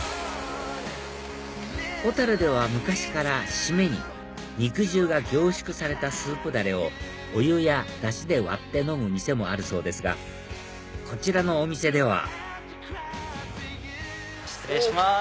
小では昔から締めに肉汁が凝縮されたスープだれをお湯やダシで割って飲む店もあるそうですがこちらのお店では失礼します